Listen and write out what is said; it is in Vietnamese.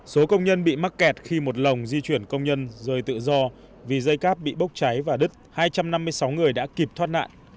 số công nhân bị mắc kẹt khi một lồng di chuyển công nhân rời tự do vì dây cáp bị bốc cháy và đứt hai trăm năm mươi sáu người đã kịp thoát nạn